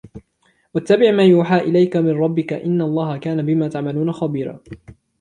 وَاتَّبِعْ مَا يُوحَى إِلَيْكَ مِنْ رَبِّكَ إِنَّ اللَّهَ كَانَ بِمَا تَعْمَلُونَ خَبِيرًا